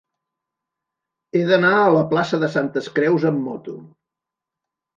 He d'anar a la plaça de Santes Creus amb moto.